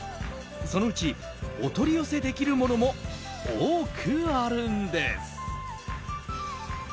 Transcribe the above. そのうちお取り寄せできるものも多くあるんです。